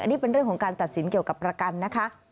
นี่เป็นเรื่องของการตัดสินเกี่ยวกับประกันนะคะ